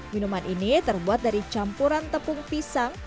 minuman ini terbuat dari campuran tepung pisang